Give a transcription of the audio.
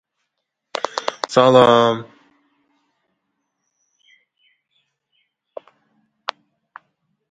Sanjar Yusupov o‘z arizasiga ko‘ra Chirchiq shahar hokimi lavozimidan ozod etilgan